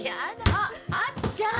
あっあっちゃん！